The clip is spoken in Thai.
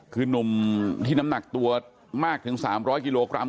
คือนุ่มที่น้ำหนักตัวมากถึง๓๐๐กิโลกรัม